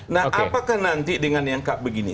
nah apakah nanti dengan yang begini